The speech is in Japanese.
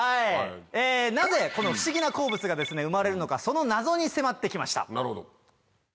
なぜこの不思議な鉱物が生まれるのかその謎に迫って来ました。